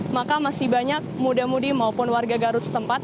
maka masih banyak muda mudi maupun warga garut setempat